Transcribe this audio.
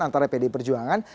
antara pd perjuangan